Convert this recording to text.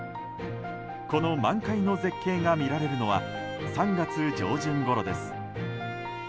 この満開の絶景が見られるのは３月上旬ごろです。